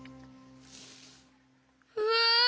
うわ！